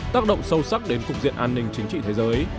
tác động sâu sắc đến cục diện an ninh chính trị thế giới